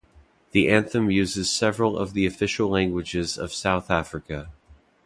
The anthem uses several of the official languages of South Africa.